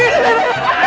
nek ada besi